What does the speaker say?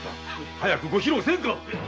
早くご披露せんか。